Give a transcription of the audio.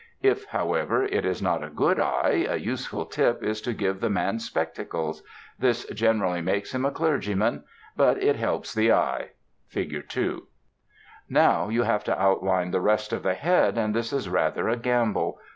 If, however, it is not a good eye, a useful tip is to give the man spectacles; this generally makes him a clergyman, but it helps the eye (Fig. 2). [Illustration: FIG. 2] Now you have to outline the rest of the head, and this is rather a gamble.